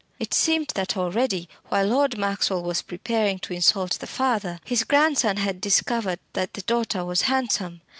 It seemed that already, while Lord Maxwell was preparing to insult the father, his grandson had discovered that the daughter was handsome.